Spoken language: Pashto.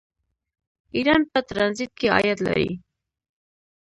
ایران په ټرانزیټ کې عاید لري.